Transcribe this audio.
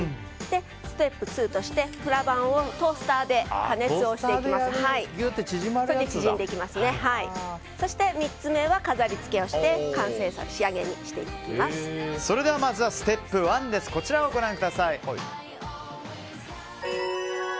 ステップ２としてプラバンをトースターでトースターでそして３つ目は飾りつけをしてそれではまずはステップ１こちらをご覧ください。